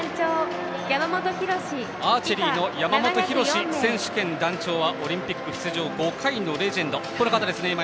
アーチェリーの山本博選手兼団長はオリンピック出場５回のレジェンド。